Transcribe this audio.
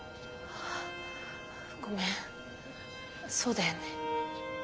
ああごめんそうだよね。